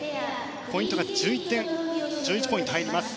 ポイントが１１ポイント入ります。